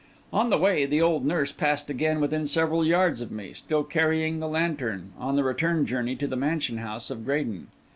On the way, the old nurse passed again within several yards of me, still carrying her lantern, on the return journey to the mansion house of Graden.